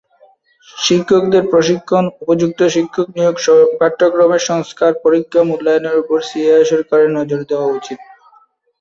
শিক্ষকদের প্রশিক্ষণ, উপযুক্ত শিক্ষক নিয়োগ, পাঠ্যক্রমের সংস্কার, পরীক্ষা ও মূল্যায়ন এর ওপর সিরিয়া সরকারের নজর দেওয়া উচিত।